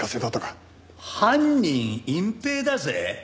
犯人隠蔽だぜ？